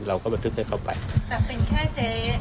เราก็ไปทึกให้เข้าไปแต่เป็นแค่เจ๊เอ่อ